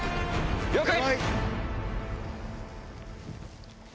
了解！